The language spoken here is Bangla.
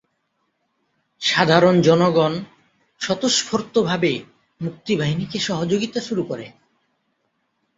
সাধারণ জনগণ স্বতঃস্ফূর্ত ভাবে মুক্তি বাহিনীকে সহযোগীতা শুরু করে।